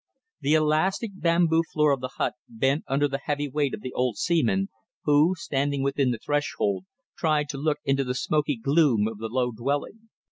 The elastic bamboo floor of the hut bent under the heavy weight of the old seaman, who, standing within the threshold, tried to look into the smoky gloom of the low dwelling.